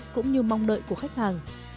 cũng như mong đợi của khách hàng